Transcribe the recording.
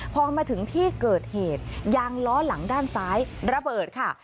พอมาถึงที่เกิดเหตุยางล้อหลังด้านซ้ายระเบิดค่ะ